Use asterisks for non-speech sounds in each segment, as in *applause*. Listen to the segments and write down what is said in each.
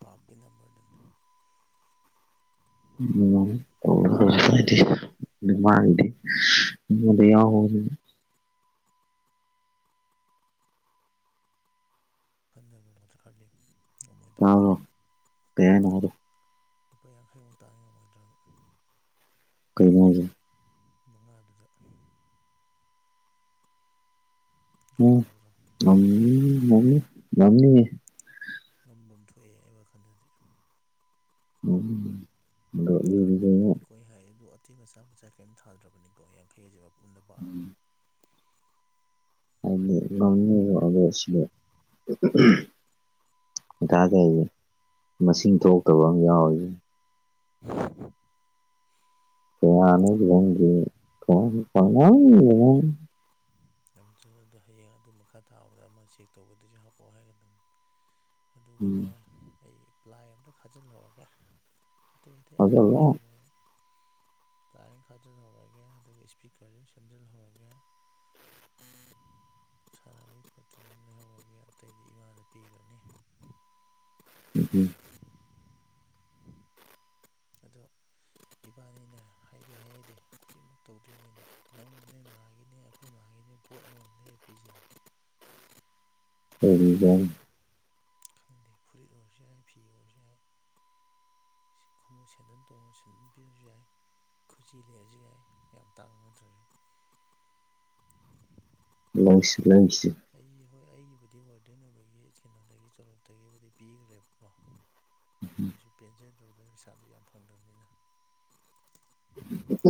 ꯄꯥꯞꯀꯤ *unintelligible* *unintelligible* *unintelligible* *unintelligible* *unintelligible* ꯂꯨꯄꯥ ꯌꯥꯡꯈꯩꯃꯨꯛ ꯇꯥꯟ ꯉꯝꯃꯣꯏꯗ꯭ꯔꯕ ꯀꯩꯩꯅꯣ ꯍꯥꯏꯁꯦ ꯃꯉꯥꯗꯨꯗ ꯒ꯭ꯌꯥꯟ ꯎꯝ ꯇꯥꯗ꯭ꯔꯣ ꯉꯝꯅꯤ ꯉꯝꯅꯤ ꯉꯝꯅꯤꯍꯦ ꯉꯝꯕꯝ ꯊꯣꯛꯑꯦ ꯑꯩ ꯋꯥꯈꯜꯗꯗꯤ *unintelligible* ꯍꯣꯏ ꯍꯥꯏ ꯑꯗꯨ ꯑꯇꯩ ꯃꯆꯥ ꯃꯆꯥ ꯀꯩꯝ ꯊꯥꯗ꯭ꯔꯕꯅꯤꯀꯣ ꯌꯥꯡꯈꯩꯁꯦ ꯃꯄꯨꯡꯗ ꯄꯥꯔꯕꯅꯤ ꯑꯗꯤ ꯉꯝꯅꯦꯕ ꯑꯗꯨ ꯁꯤꯗ *unintelligible* ꯃꯊꯥ ꯁꯥꯏꯁꯦ ꯃꯁꯤꯡ ꯊꯣꯛꯇꯕ ꯑꯃ ꯌꯥꯎꯔꯤꯁꯦ *unintelligible* *unintelligible* ꯅꯝꯃꯤ ꯌꯥꯝ ꯆꯂꯗꯣ ꯍꯌꯦꯡ ꯑꯗꯨ ꯃꯈꯥ ꯊꯥꯕꯗ ꯑꯃ ꯆꯦꯛ ꯇꯧꯕꯗꯨꯁꯨ ꯍꯥꯞꯄꯛꯑꯣ ꯍꯥꯏꯒꯗꯕꯅꯤ ꯑꯗꯨꯒꯅꯦ ꯑꯩ ꯄ꯭ꯂꯥꯏ ꯑꯝꯇ ꯈꯥꯖꯤꯜꯍꯧꯔꯒꯦ ꯑꯇꯩ ꯑꯇꯩ ꯑꯁꯥꯒ ꯊꯝꯃꯣꯏ ꯑꯩ ꯇꯥꯏꯔꯤꯡ ꯈꯥꯖꯤꯜꯍꯧꯔꯒꯦ ꯑꯗꯨꯒ ꯏꯁꯄꯤꯀꯔꯁꯨ ꯁꯦꯝꯖꯤꯜꯍꯧꯔꯒꯦ ꯁꯥꯟꯅꯕꯒꯤ ꯄ꯭ꯔꯣꯇꯤꯟ ꯑꯃ ꯂꯩꯍꯧꯔꯒꯦ ꯑꯇꯩꯗꯤ ꯏꯃꯥꯗ ꯄꯤꯈ꯭ꯔꯅꯤ ꯎꯝ ꯑꯗꯣ ꯏꯕꯥꯅꯤꯅꯦ ꯍꯥꯏꯗꯤ ꯍꯥꯏꯍꯩꯗꯦ ꯈꯨꯗꯤꯡꯃꯛ ꯇꯧꯗ꯭ꯔꯤꯉꯩꯗ ꯅꯪ ꯅꯣꯏ ꯃꯥꯒꯤꯅꯦ ꯑꯩꯈꯣꯏ ꯃꯥꯒꯤꯅꯦ ꯄꯣꯠ ꯑꯃꯃꯝ ꯂꯩꯔ ꯄꯤꯖꯤꯔꯥ ꯀꯕꯤꯒꯝ *unintelligible* ꯈꯪꯗꯦ ꯐꯨꯔꯤꯠ ꯑꯣꯏꯔꯁꯨ ꯌꯥꯏ ꯐꯤ ꯑꯣꯏꯔꯁꯨ ꯌꯥꯏ ꯈꯣꯡꯎꯞ ꯁꯦꯟꯗꯟ ꯇꯣꯡꯉ ꯁꯦꯟꯗꯟ ꯄꯤꯔꯁꯨ ꯌꯥꯏ ꯈꯨꯖꯤ ꯂꯩꯔꯁꯨ ꯌꯥꯏ ꯌꯥꯝ ꯇꯥꯡꯕ ꯅꯠꯇ꯭ꯔꯁꯨ ꯂꯩꯁꯤ ꯂꯩꯁꯤ ꯑꯩꯒꯤ ꯍꯣꯏ ꯑꯩꯒꯤꯕꯨꯗꯤ ꯋꯥꯔꯗꯦꯟ ꯑꯣꯏꯕꯒꯤ ꯏꯁ꯫꯫ꯀꯩꯅꯣꯗꯒꯤ ꯇꯣꯂꯣꯞꯇꯒꯤꯕꯨꯗꯤ ꯄꯤꯈ꯭ꯔꯦꯕꯀꯣ ꯑꯗꯨꯏꯁꯨ ꯄꯦꯟꯖꯗꯕꯗꯣ ꯄꯩꯁꯥꯗꯣ ꯌꯥꯝ ꯐꯪꯗꯕꯅꯤꯅ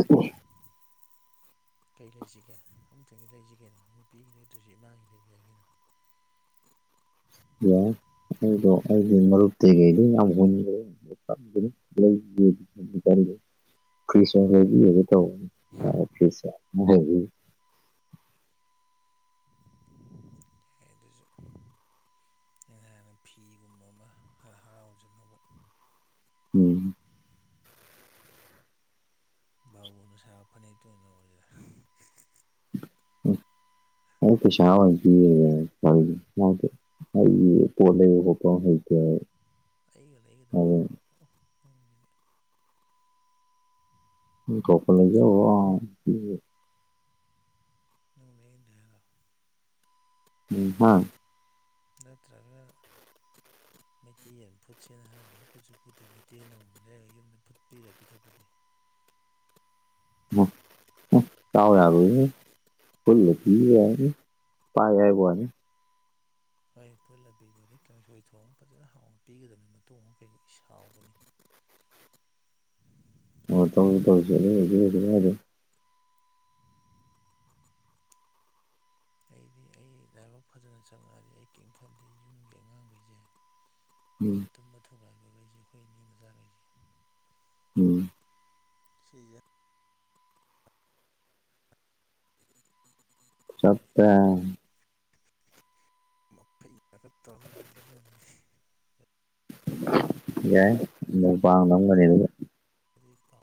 ꯑꯗꯣ ꯀꯩ ꯂꯩꯁꯤꯒꯦ ꯑꯃꯝꯇꯪ ꯂꯩꯖꯤꯀꯧꯅꯣ ꯅꯨꯄꯤꯒꯤ ꯂꯩꯗ꯭ꯔꯁꯨ ꯏꯃꯥꯒꯤ ꯂꯩꯕ ꯌꯥꯏ ꯀꯩꯅꯣ *inaudible* ꯌꯥꯏ ꯑꯩꯗꯣ ꯑꯩꯒꯤ ꯃꯔꯨꯞꯇꯒꯤꯗꯤ ꯌꯥꯝ *unintelligible* *unintelligible* *unintelligible* ꯌꯥꯏ ꯑꯗꯨꯁꯨ ꯑꯩꯅ ꯍꯥꯟꯅ ꯐꯤꯒꯨꯝꯕ ꯑꯃ ꯍꯔꯥꯎꯖꯅꯕ ꯎꯝ *unintelligible* *unintelligible* ꯁꯥ ꯐꯅꯦꯛ ꯇꯨ ꯑꯣꯅ ꯂꯧꯔ ꯁꯤꯔ *unintelligible* ꯄꯩꯁꯥ ꯑꯣꯏ ꯄꯤꯔ *unintelligible* ꯑꯩ ꯄꯣꯠ ꯂꯩꯕꯗ ꯀꯣ ꯍꯩꯇꯦ *unintelligible* ꯑꯩꯒ ꯂꯩꯒꯗꯕꯅꯤ ꯀꯩ *unintelligible* ꯅꯠꯇ꯭ꯔ *unintelligible* *unintelligible* ꯎꯝ *unintelligible* ꯅꯠꯇ꯭ꯔꯥꯒ ꯃꯩꯇꯩꯅ ꯐꯨꯠꯁꯦꯅ ꯍꯥꯏ ꯑꯃ ꯐꯨꯠꯁꯨ ꯐꯨꯠꯇꯦ ꯃꯩꯇꯩꯅ ꯑꯃꯃꯝ ꯂꯩꯔꯒ ꯌꯨꯝꯗ ꯐꯨꯠ ꯄꯤꯔꯒ ꯄꯤꯊꯛꯄꯗꯤ ꯑꯣ ꯆꯥꯎꯥꯎ ꯐ ꯌꯥ ꯄꯥꯏ ꯌꯥꯏꯕꯅꯤ ꯑꯩ ꯐꯨꯠꯂ ꯄꯤꯕ ꯑꯗꯩ ꯀꯥꯡꯁꯣꯏ ꯊꯣꯡ ꯑꯃ ꯐꯖꯅ ꯍꯥꯎꯅ ꯄꯤꯒꯗꯕꯅꯤ ꯃꯇꯨꯡ ꯑꯃ ꯀꯩꯕꯨ ꯁꯥꯎꯒꯅꯤ ꯋꯥ ꯇ ꯇꯁꯤꯦ *unintelligible* ꯑꯩꯗꯤ ꯑꯩ ꯂꯥꯏꯕꯛ ꯐꯖꯅ ꯆꯪꯉꯛꯑꯗꯤ ꯑꯩ ꯀꯩꯅ ꯈꯟꯗꯦ ꯌꯨꯝꯒꯤ ꯑꯉꯥꯡꯈꯩꯁꯦ ꯑꯩꯅ ꯇꯨꯝꯕ ꯊꯨꯒꯥꯏꯕꯈꯩꯁꯦ ꯑꯩꯈꯣꯏ ꯏꯅꯤ ꯃꯆꯥꯈꯩꯁꯦ ꯎꯝ ꯁꯤꯒ ꯆꯞꯠꯇ ꯍꯩ ꯇꯧꯗ ꯄꯤꯖꯗꯨꯅꯤ ꯑꯦ ꯄꯥꯉꯝ ꯀꯅꯤ ꯑꯗꯨ ꯄ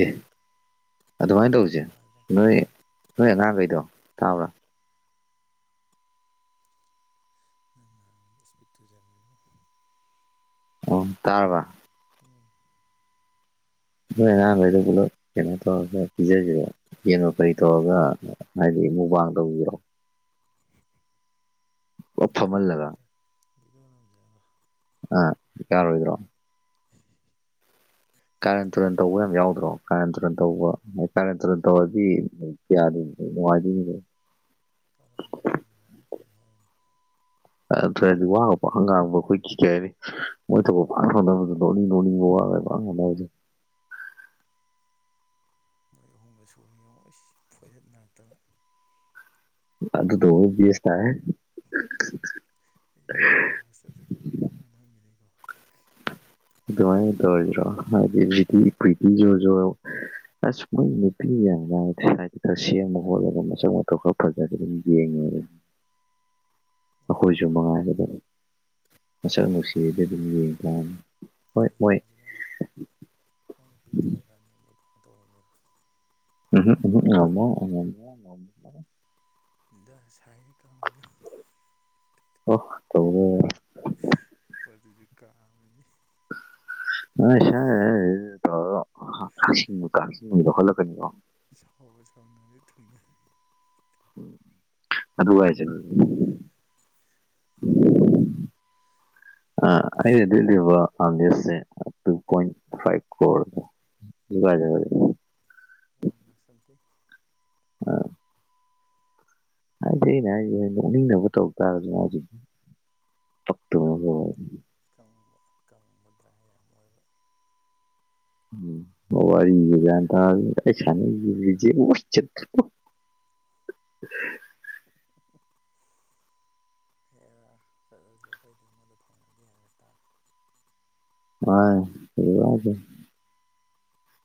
ꯑꯦ ꯑꯗꯨꯃꯥꯏꯅ ꯇꯧꯁꯦ ꯇꯥꯗ꯭ꯔꯦ ꯅꯣꯏ ꯅꯣꯏ ꯑꯉꯥꯡꯈꯩꯗꯣ ꯇꯥꯕ꯭ꯔꯥ ꯅꯪ ꯏꯁꯄꯤꯠꯇꯖꯉꯌꯣ ꯑꯣ ꯇꯥꯔꯕ ꯎꯝ ꯅꯣꯏ ꯑꯍꯥꯟꯈꯗ ꯄꯨꯂꯣ ꯀꯩꯅꯣ ꯇꯧꯔꯒ ꯄꯤꯖꯁ ꯌꯦꯡꯉꯣ ꯀꯔꯤ ꯇꯧꯔꯒ ꯍꯥꯏꯗꯤ ꯃꯨꯛꯕꯥꯡꯗꯧꯕꯔꯣ ꯄꯨꯂꯞ ꯐꯝꯍꯜꯂꯒ ꯒꯗ꯭ꯔꯒ ꯒꯅꯖꯔ ꯑ ꯌꯥꯔꯣ ꯑꯣꯏ꯭ꯔꯣ ꯏꯀꯥꯏ ꯀꯥꯔꯦꯟ ꯇꯨꯔꯟ ꯊꯥꯒꯦ ꯇꯧꯕ ꯌꯥꯝ ꯌꯥꯎꯗ꯭ꯔꯣ ꯀꯥꯔꯦꯟꯇꯨꯔꯟ ꯇꯧꯕ ꯀꯥꯔꯦꯟ ꯇꯨꯔꯟ ꯇꯧꯔꯗꯤ ꯀꯌꯥꯗꯗꯣ ꯅꯨꯡꯉꯥꯏꯗꯨꯣꯏꯅꯤꯗꯣ ꯁꯥꯔꯟꯇꯔꯪꯒꯤ ꯋꯥꯅꯤ ꯀꯩ ꯍꯥꯏꯔꯨꯅꯦ ꯑꯗꯨꯔꯗꯤ ꯋꯥꯡꯉꯛꯄ ꯍꯪꯒꯥꯥꯡꯕ ꯑꯩꯈꯣꯏ ꯀ ꯀꯩ ꯍꯥꯏꯅꯤ ꯃꯣꯏ ꯊ ꯉꯥꯡꯉꯨ ꯉꯥꯡꯉꯨ ꯁꯦ ꯃꯣꯏ ꯑꯍꯨꯝꯒ ꯁꯨꯅꯤ ꯌꯦꯣꯏ ꯐꯣꯏꯍꯠ ꯔꯛꯇꯅ ꯑꯗꯨꯗꯣ ꯁ ꯇꯥꯏ ꯆꯖꯗ ꯑꯣꯏꯅꯕꯤꯅꯣ ꯅꯪꯒꯤꯅꯤꯀꯣ ꯉꯥꯏ ꯇꯧꯔꯖ꯭ꯔꯣ ꯍꯥꯏꯗꯤꯗꯤ ꯄꯤꯇꯁꯨꯁꯨ ꯑꯁ ꯃꯣꯏ ꯅꯨꯄꯤ ꯌꯥꯝ ꯈꯔ ꯁꯦꯝꯃ ꯈꯣꯠꯂꯒ ꯃꯆꯛ ꯃꯊꯣꯛ ꯈꯔ ꯐꯖ ꯑꯗꯨꯝ ꯌꯦꯡꯉꯦ ꯃꯉꯥꯜ ꯑꯩꯈꯣꯏꯁꯨ ꯅꯨꯡꯗꯥꯡꯗ ꯃꯉꯥꯏꯒꯗꯕ ꯃꯁꯛ ꯅꯨꯡꯁꯤꯗ ꯑꯗꯨꯝ ꯌꯦꯡꯕ꯭ꯔꯥꯅꯤ ꯍꯌꯦꯡꯩꯅꯣꯖꯤ ꯅꯪ ꯅꯪꯅ ꯄꯤꯊꯦꯑꯀꯥꯟꯗ ꯑꯃꯨꯛ ꯐ ꯇꯧꯟꯅꯔ ꯎꯝ ꯎꯝ ꯎꯝ ꯎ ꯦ ꯗꯁꯥꯏ ꯀ ꯑꯣ ꯇꯧꯕꯋꯦ ꯄꯗꯨꯁꯨ ꯀꯥꯃꯤꯅꯤ ꯑ ꯁꯔ ꯀꯆꯤꯡꯗ ꯍꯣꯠꯂꯛꯀꯅꯤꯕꯣ ꯁꯥꯎ ꯁꯥꯎꯅ ꯊꯨꯡꯅ ꯑꯗ ꯀ ꯆ *unintelligible* ꯑ ꯑꯩꯟꯗꯁꯦ ꯇꯨꯟ ꯐꯥꯏꯚ ꯦꯦ ꯋꯥꯟ ꯂꯥꯛ ꯁꯊ ꯑꯝ ꯍꯥꯏꯗ ꯑꯩꯅ ꯍꯥꯏ ꯎꯅꯤꯡꯅꯕ ꯇꯧ ꯇꯥꯔꯁꯨ ꯇ ꯀꯪꯕ ꯀꯪꯉꯕꯗ꯭ꯔ ꯌꯥꯝ ꯑꯣꯏꯕ ꯎ ꯑꯋꯥꯔ ꯀꯥꯏ ꯁ ꯋꯥꯁ ꯎ *unintelligible* ꯍꯔ ꯆꯠꯂꯁꯨ ꯑꯩꯈꯩꯗꯤ ꯑꯃꯉꯣꯟꯗ ꯐꯪꯒꯗꯤꯦ ꯍꯥꯏꯔ ꯇꯥꯔꯦ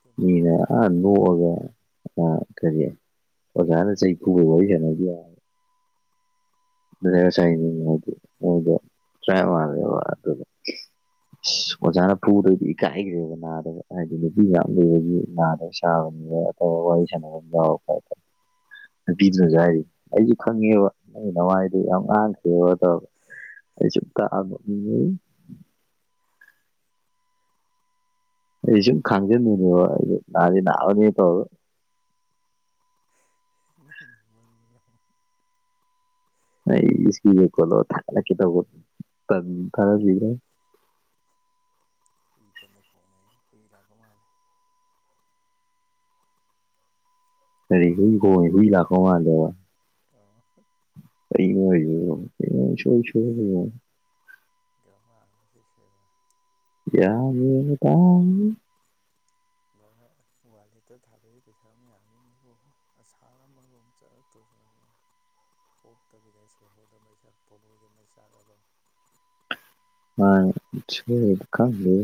ꯇꯨꯝꯅꯔꯤ ꯁꯥꯟꯅꯔꯤ ꯂꯒꯦ ꯑꯥ ꯀꯔꯤ ꯑꯣꯖꯥꯅ ꯆꯍꯤ ꯈꯨꯕ ꯋꯥꯔꯤ ꯁꯦꯟꯅꯕꯤ ꯗꯦꯁꯥꯏꯒꯤꯗꯤꯗ ꯇ꯭ꯔꯥꯏꯦꯕ ꯑꯗꯨ *unintelligible* ꯑꯣꯖꯥꯅ ꯐꯗꯩꯗꯤ ꯏꯀꯥꯏꯈ꯭ꯔꯦꯕ ꯅꯥꯗꯣ ꯍꯥꯏꯗꯤ ꯅꯨꯄꯤ ꯌꯥꯝ ꯂꯩꯔꯒꯤ ꯅꯥꯗꯣ ꯁꯥꯕꯅꯦꯕ ꯑꯣ ꯋꯥꯏꯖꯅꯒ ꯀꯥꯏꯦ ꯄꯤꯤꯗꯨꯅꯁꯨ ꯍꯥꯏꯔꯤ ꯑꯩꯁꯨ ꯈꯪꯉꯦꯕ ꯥꯏ ꯑꯗꯨꯗꯤ ꯌꯥꯝ ꯉꯥꯡꯈꯦꯕ ꯑꯩꯁꯨꯨꯝ ꯇꯥꯛꯑꯕ ꯃꯤ ꯑꯩ ꯁꯨꯝ ꯈꯥꯡꯖꯟꯗꯣꯏꯅꯦꯕ ꯑꯩ ꯅꯍꯥꯟꯗꯤ ꯅꯥꯑꯅꯦ ꯇꯧ ꯜ ꯏꯁꯀꯤꯦ ꯀꯣꯂꯣ ꯊ ꯀꯦ ꯇꯣ ꯊ ꯀꯨꯏ ꯀꯅ ꯈꯣꯡꯅ ꯐꯨꯏ ꯂꯒꯣ ꯃꯥꯂꯦ ꯀꯔꯤ ꯍꯨꯏ ꯀꯣꯡꯉ ꯍꯨꯏ ꯂꯥꯛꯀꯧ ꯃꯥꯜꯗꯦꯕ ꯇ ꯀ ꯃꯗꯤꯁꯕ ꯌꯥꯃꯤ ꯇꯝ ꯋꯥꯂꯦꯠꯇ ꯊꯥꯗꯣꯏꯩ ꯄꯩꯁꯥ ꯃꯌꯥꯝꯅꯤ ꯃꯔꯣꯝ ꯑꯁꯥꯔ ꯃꯔꯣꯝ ꯆꯠꯂꯛꯇ꯭ꯔ ꯄꯣꯞ ꯇꯕꯤꯗ ꯁꯍꯗ ꯃꯩꯁꯥꯈ ꯄꯣꯜꯨꯣꯏꯗ ꯃꯩꯁꯥꯈ ꯑ ꯑꯗꯨ ꯑ ꯀꯥꯟꯦ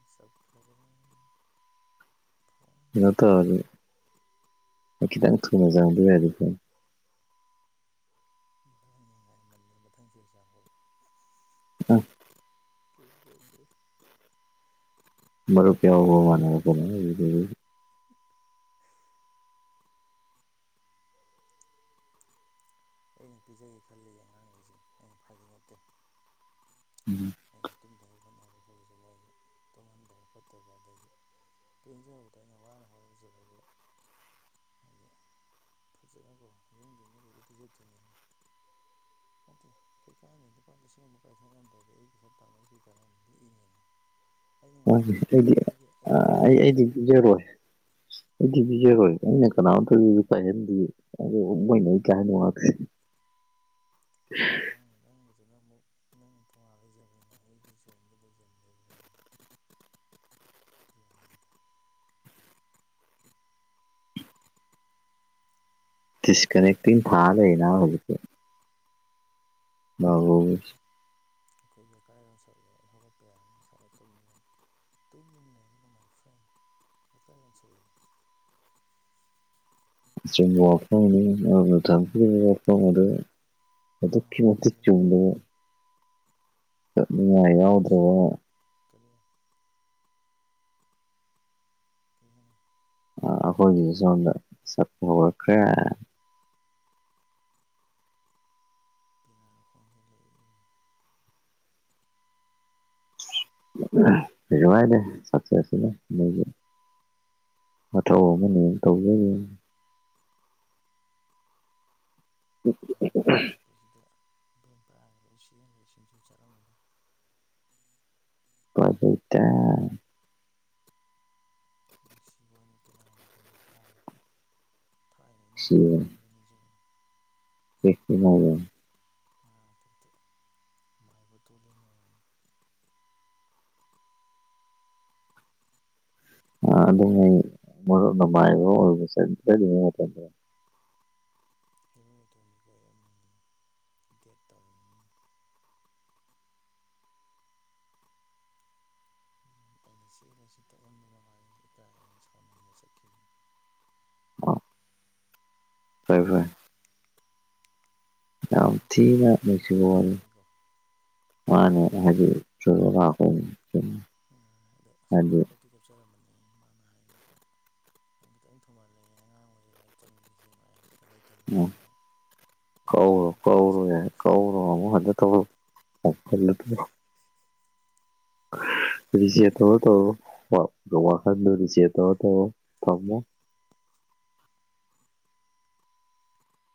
ꯑ ꯁ ꯈꯔꯦ ꯀꯩꯅꯣ ꯇꯧꯔꯗꯤ ꯑꯩ ꯈꯤꯇꯪ ꯊꯨꯅ ꯆꯪ *unintelligible* *unintelligible* ꯃꯊꯪ ꯆꯍꯤ *unintelligible* ꯑ *unintelligible* ꯃꯔꯨꯞ ꯌꯥꯎꯕ ꯋꯥꯅꯦꯕꯀꯣ *unintelligible* *unintelligible* ꯑꯩꯅ ꯄꯤꯖꯒꯦ ꯈꯜꯂꯤ ꯑꯉꯥꯡꯒꯩꯁꯦ ꯑꯩꯅ ꯐꯥꯒꯤ ꯅꯠꯇꯦ ꯑꯩꯅ ꯇꯨꯝꯗꯒꯩ ꯍꯣꯠꯅꯔꯁꯨ ꯃꯣꯏ ꯇꯨꯝꯍꯟꯗꯕ ꯈꯣꯠꯇꯕ ꯑꯗꯒꯤ ꯄꯦꯟꯖꯕꯗꯣ ꯑꯩꯅ ꯋꯥꯅ ꯍꯣꯠꯅꯖꯔꯒ ꯍꯥꯏꯗꯤ ꯐꯖꯅꯀꯣ ꯌꯨꯝꯒꯤ ꯃꯤꯒꯩꯗꯣ ꯄꯤꯖꯗꯣꯏꯅꯤ *unintelligible* ꯀꯩꯀꯥꯅꯤ ꯂꯨꯄꯥ ꯂꯤꯁꯤꯡ ꯑꯃꯐꯧ ꯀꯥꯏꯊꯣꯛ ꯉꯝꯗ꯭ꯔꯗꯤ ꯑꯩ ꯄꯩꯁꯥ ꯇꯥꯟꯕꯩ ꯀꯩ ꯀꯥꯟꯅꯅꯤ ꯂꯤꯛꯏꯅꯦ ꯅ ꯑꯩ ꯅꯉꯣꯟꯗ ꯍꯥꯏꯗꯨꯅꯤ ꯑꯩꯗꯤ ꯑꯩꯗꯤ ꯑꯩꯗꯤ ꯑꯩ ꯂꯤꯛꯄ ꯑꯩꯗꯤ ꯍꯩꯅꯗꯦꯕ ꯄꯤꯖꯔꯣꯏ ꯑꯩꯗꯤ ꯄꯤꯖꯔꯣꯏ ꯑꯩꯅ ꯀꯅꯥꯝꯇꯁꯨ ꯄꯥꯏꯍꯟꯗꯦ *unintelligible* *unintelligible* ꯍꯣꯏꯅꯦ ꯅꯪ ꯅꯪꯒꯤꯗꯨꯅ ꯑꯃꯨꯛ ꯅꯪ ꯇꯣꯉꯥꯟ ꯂꯩꯖꯕꯅꯤꯅ ꯑꯩꯗꯤ ꯖꯣꯟꯗ ꯂꯩꯖꯟ ꯂꯩꯕꯅꯤ ꯋꯥꯅꯤꯗ ꯗꯤꯁ ꯀꯅꯦꯛꯇꯤꯡ ꯊꯥ ꯂꯩꯗ ꯍꯧꯖꯤꯛꯇꯤ *unintelligible* ꯑꯈꯣꯏ ꯌꯥꯀꯥꯏꯔꯣꯜ ꯁꯛꯂꯛꯑꯦ ꯑꯩ ꯍꯧꯒꯠꯄ ꯌꯥꯔꯦ ꯉꯁꯥꯏꯗꯩ ꯇꯨꯝꯃ ꯂꯩ ꯇꯨꯝꯗꯨꯅ ꯂꯩꯔꯒꯅꯣ ꯃꯥꯏ ꯐ꯭ꯔꯦꯟ ꯌꯀꯥꯏꯔꯣꯟ ꯁꯛꯂꯛꯑꯦ *unintelligible* ꯄꯦꯅꯥ ꯑꯗꯨꯛꯀꯤ ꯃꯇꯤꯛ ꯈꯣꯡꯖꯤꯜꯂꯤ ꯆꯨꯝꯕ ꯌꯦꯡꯉꯨ ꯀꯛꯅꯤꯡꯉꯥꯏ ꯕꯦꯝꯄꯥꯌꯔ ꯂꯣꯏ ꯌꯥꯎꯗ꯭ꯔꯕ ꯁꯤꯌꯦꯡꯉꯨ ꯀꯔꯤ ꯀꯩ ꯍꯥꯏꯅ ꯑ ꯑꯈꯣꯏꯒꯤꯗꯤ ꯁꯣꯝꯗ ꯁꯛꯄ ꯍꯧꯈ꯭ꯔꯦ ꯄꯦꯅꯥ ꯈꯣꯡꯖꯤꯜꯂꯛꯏ *unintelligible* ꯃꯊꯧ ꯑꯃꯅꯦꯅ ꯇꯧꯖꯩꯅꯤꯅꯦ ꯄꯦꯅꯥꯒ ꯈꯣꯡꯂꯛꯄꯁꯤꯗ ꯚꯦꯝ ꯄꯔꯒ ꯂꯣꯏ ꯆꯦꯡꯈ꯭ꯔꯦ ꯁꯤꯡꯖꯨ ꯆꯥꯔꯝꯕꯗꯩ *unintelligible* ꯅꯨꯡꯁꯤꯕ ꯋꯥꯅꯤ ꯄꯦꯅꯥ ꯃꯈꯣꯟꯁꯦ ꯇꯥꯔꯒ ꯊꯥꯏꯅ ꯑꯩꯅ ꯃꯥꯏꯕꯥ ꯁꯤꯕꯅꯤ ꯑꯣꯏꯔꯤꯉꯩ ꯅꯤꯡꯖꯪꯉꯦ *unintelligible* ꯃꯃꯥꯡ ꯃꯄꯣꯛꯇ ꯃꯥꯏꯕ ꯇꯣꯂꯦꯟ ꯑꯣꯏꯌꯦ ꯑ ꯑꯗꯨꯉꯩ ꯃꯔꯨꯞꯅ ꯃꯥꯏꯕ ꯑꯣꯏꯔꯤꯉꯩ *unintelligible* ꯍꯦꯂꯣꯏ ꯑꯇꯣꯝꯕꯤ ꯀꯣꯏꯔꯝꯃꯦ ꯗꯦꯠ ꯇꯧꯔ ꯑꯩꯅ ꯆꯦꯜꯂꯁꯤ ꯇꯛꯃꯟꯗꯅ ꯃꯥꯁꯤ ꯏꯀꯥꯏ ꯑꯅ ꯁꯥꯎꯅꯤꯡꯗꯅ ꯆꯠꯈꯤ ꯍꯣꯏ ꯍꯣꯏ ꯌꯥꯝ ꯁꯨꯝ ꯊꯤꯅ ꯇꯨꯝꯁꯤꯜꯂꯛꯇꯕꯒꯤ ꯅꯨꯡꯁꯤꯕ ꯁꯣꯏꯔꯣꯅꯤꯀꯣ ꯋꯥꯔꯤꯅꯤ *unintelligible* *unintelligible* ꯀꯥꯞꯆꯔꯝꯕꯅꯤ ꯃꯥꯅ *unintelligible* ꯈꯤꯇꯪ ꯊꯨꯃꯜꯂꯦꯅ ꯑꯉꯥꯡ ꯑꯣꯢꯔꯤ ꯂꯤꯢꯔꯤꯛ ꯇꯝꯃꯤꯒꯦ *unintelligible* ꯍꯦꯂꯣꯏ ꯑꯇꯣꯝꯕꯤ *unintelligible* ꯌꯥꯔꯣꯏ ꯀꯧꯔꯣ ꯅꯪ ꯀꯣꯂꯦꯁ ꯀꯧꯔꯣ ꯀꯥ ꯌꯥꯏ *unintelligible* *unintelligible* ꯊꯝꯃꯣ